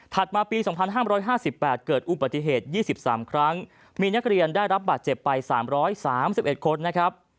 มาปี๒๕๕๘เกิดอุบัติเหตุ๒๓ครั้งมีนักเรียนได้รับบาดเจ็บไป๓๓๑คนนะครับ